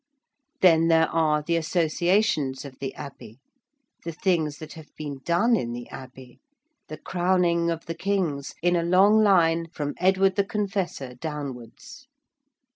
Then there are the associations of the Abbey; the things that have been done in the Abbey: the crowning of the Kings, in a long line from Edward the Confessor downwards.